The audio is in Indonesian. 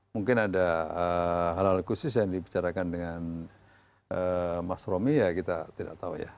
mungkin ada hal hal khusus yang diperbicarakan dengan mas romy